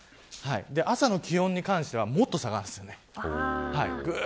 朝の気温に関してはもっと下がります。